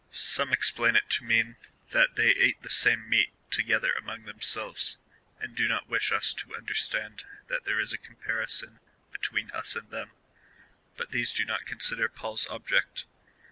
^ Some explain it to mean, that they^ ate the same meat together among themselves, and do not wish us to under stand that there is a comparison between us and them ; but these do not consider Paul's object.